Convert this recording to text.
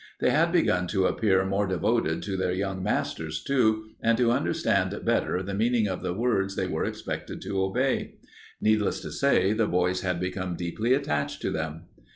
They had begun to appear more devoted to their young masters, too, and to understand better the meaning of the words they were expected to obey. Needless to say, the boys had become deeply attached to them.